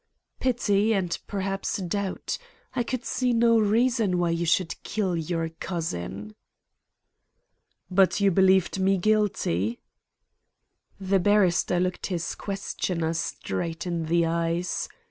"Pity, and perhaps doubt. I could see no reason why you should kill your cousin." "But you believed me guilty?" The barrister looked his questioner straight in the eyes.